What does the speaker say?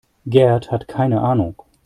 Gerd hat keine Ahnung.